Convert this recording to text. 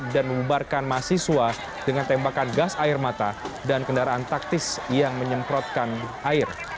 dan membarkan mahasiswa dengan tembakan gas air mata dan kendaraan taktis yang menyemprotkan air